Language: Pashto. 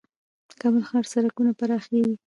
د کابل ښار سړکونه پراخیږي؟